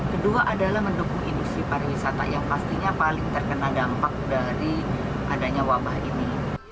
kedua adalah mendukung industri pariwisata yang pastinya paling terkena dampak dari adanya wabah ini